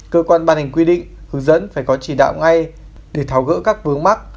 cơ quan ban hành quy định hướng dẫn phải có chỉ đạo ngay để tháo gỡ các vướng mắt